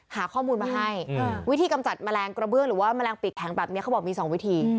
หาข้อมูลมาให้วิธีกำจัดแมลงกระเบื้องหรือว่าแมลงปีกแข็งแบบนี้เขาบอกมี๒วิธี